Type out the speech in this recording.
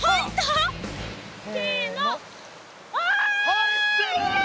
入ってる！